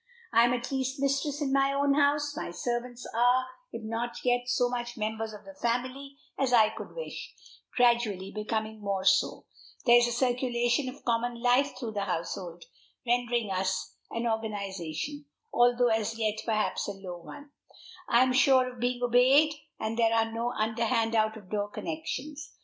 I am at least mistress in my own house; my servants are, if not yet so much members of the family as I could wish, gradually becoming more so; there is a circulation of common life through the household, rendering us an organization, although as yet perhaps a low one; I am sure of being obeyed, and there are no underhand out of door connections.